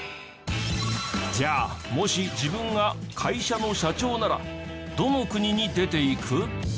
じゃあもし自分が会社の社長ならどの国に出ていく？